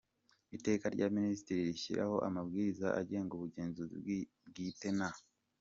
Iteka rya Minisitiri rishyiraho Amabwiriza agenga Ubugenzuzi bwite na